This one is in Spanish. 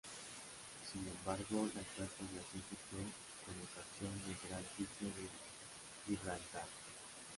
Sin embargo, la actual población surgió con ocasión del Gran Sitio de Gibraltar.